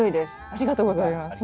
ありがとうございます。